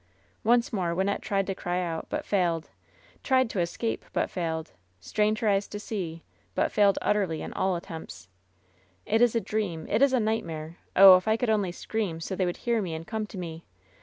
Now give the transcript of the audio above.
Once more Wynnette tried to cry out, but failed; tried to escape, but failed ; strained her eyes to see, but failed utterly in all attempts. "It is a dream ! It is a nightmare 1 Oh, if I could only scream so they would hear me and come to me.